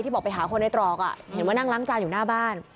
บอกไปหาคนในตรอกเห็นว่านั่งล้างจานอยู่หน้าบ้าน